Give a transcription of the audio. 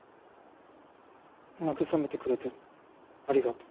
慰めてくれてありがとう。